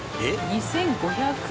２５００枚。